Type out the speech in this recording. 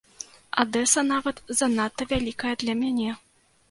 Адэса нават занадта вялікая для мяне.